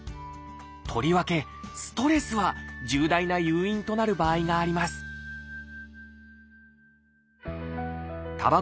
とりわけストレスは重大な誘因となる場合があります